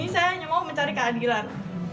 di sini saya hanya mau mencari keadilan